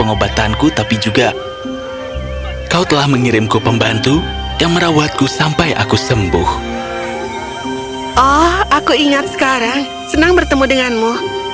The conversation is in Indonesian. oh aku ingat sekarang senang bertemu denganmu